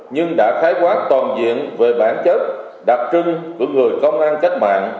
nhưng đã khái quát toàn diện về bản chất đặc trưng của người công an cách mạng